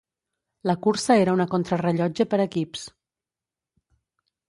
La cursa era una contrarellotge per equips.